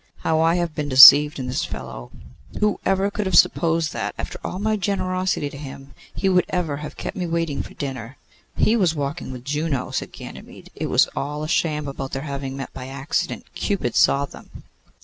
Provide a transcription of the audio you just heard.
How I have been deceived in this fellow! Who ever could have supposed that, after all my generosity to him, he would ever have kept me waiting for dinner?' 'He was walking with Juno,' said Ganymede. 'It was all a sham about their having met by accident. Cupid saw them.